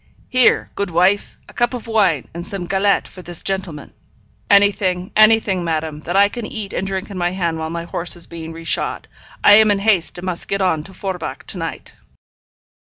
'Here, good wife, a cup of wine and some galette for this gentleman.' 'Anything, anything, madame, that I can eat and drink in my hand while my horse is being shod. I am in haste, and must get on to Forbach to night.'